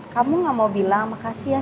kamu gak mau bilang makasih ya